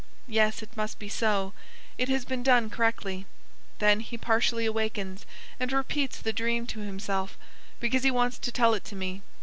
Yes, it must be so, it has been done correctly." Then he partially awakens, and repeats the dream to himself, because he wants to tell it to me.